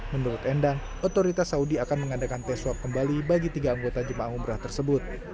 menurut endang otoritas saudi akan mengadakan tes swab kembali bagi tiga anggota jemaah umrah tersebut